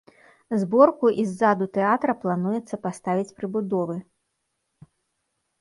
Зборку і ззаду тэатра плануецца паставіць прыбудовы.